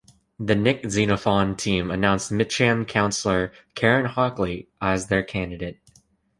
The Nick Xenophon Team announced Mitcham councillor Karen Hockley as their candidate.